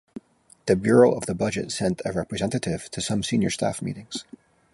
The Bureau of the Budget sent a representative to some Senior Staff meetings.